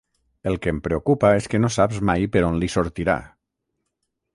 El que em preocupa és que no saps mai per on li sortirà.